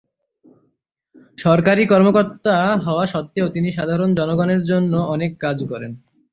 সরকারী কর্মকর্তা হওয়া সত্ত্বেও তিনি সাধারণ জনগণের জন্য অনেক কাজ করেন।